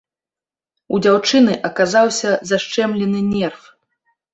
У дзяўчыны аказаўся зашчэмлены нерв.